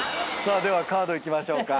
ではカードいきましょうか。